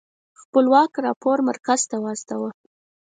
خپلواک راپور مرکز ته واستوه.